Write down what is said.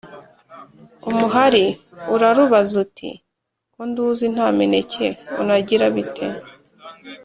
Umuhari urarubaza uti « ko nduzi nta mineke unagira bite ?